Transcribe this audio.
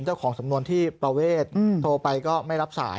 เจ้าของสำนวนที่ประเวทโทรไปก็ไม่รับสาย